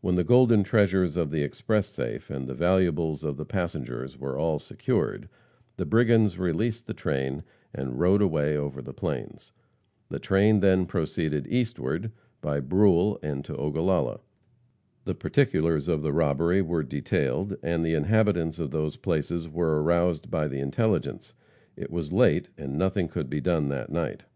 When the golden treasures of the express safe, and the valuables of the passengers were all secured, the brigands released the train and rode away over the plains. The train then proceeded eastward, by Brule and to Ogallala. The particulars of the robbery were detailed, and the inhabitants of those places were aroused by the intelligence. It was late and nothing could be done that night.